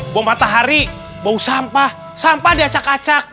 bawa matahari bawa sampah sampah diacak acak